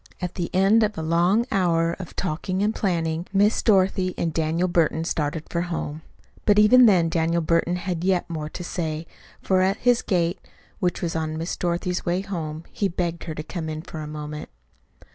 At the end of a long hour of talking and planning, Miss Dorothy and Daniel Burton started for home. But even then Daniel Burton had yet more to say, for at his gate, which was on Miss Dorothy's way home, he begged her to come in for a moment.